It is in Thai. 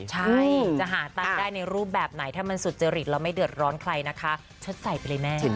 ใช่จะหาตังค์ได้ในรูปแบบไหนถ้ามันสุจริตแล้วไม่เดือดร้อนใครนะคะเชิดใส่ไปเลยแม่